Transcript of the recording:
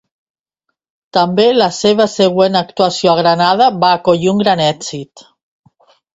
També la seva següent actuació a Granada va collir un gran èxit.